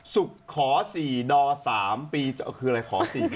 ศุกขอศรีดศ๓ปีคืออะไรขอศรี